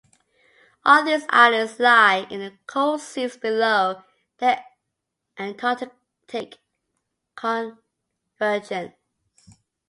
All these islands lie in the cold seas below the Antarctic Convergence.